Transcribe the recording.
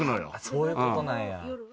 そういうことなんや。